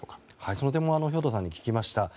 その点も兵頭さんに聞きました。